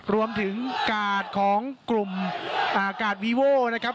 รวมถึงกาดของกลุ่มกาดวีโว้นะครับ